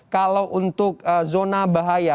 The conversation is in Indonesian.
kalau untuk zona bahaya